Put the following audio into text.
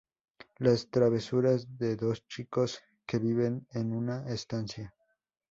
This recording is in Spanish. Las travesuras de dos chicos que viven en una estancia.